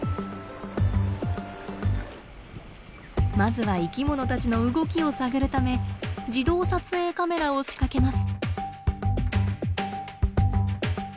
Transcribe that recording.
まずは生きものたちの動きを探るため自動撮影カメラを仕掛けます。